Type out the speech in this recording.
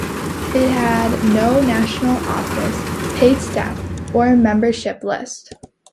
It had no national office, paid staff, or membership list.